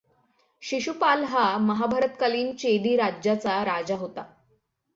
शिशुपाल हा महाभारतकालीन चेदी राज्याचा राजा होता.